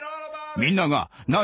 みんなが「何？」